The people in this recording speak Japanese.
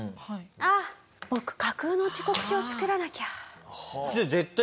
「ああ僕架空の時刻表を作らなきゃ」。